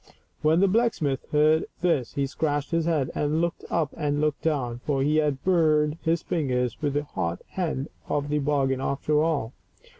When the blacksmith heard this he scratched his head, and looked up and looked down, for he had burned his fingers with the hot end of the bargain after all.